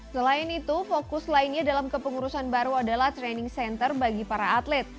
selain itu fokus lainnya dalam kepengurusan baru adalah training center bagi para atlet